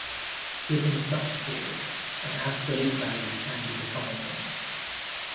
Given such a field, an absolute value can be defined on it.